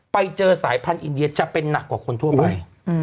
ไปเจอสายพันธุอินเดียจะเป็นหนักกว่าคนทั่วไป